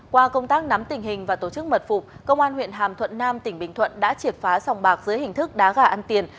qua công tác nắm tình hình và tổ chức mật phục công an huyện hàm thuận nam tỉnh bình thuận đã triệt phá sòng bạc dưới hình thức đá gà ăn tiền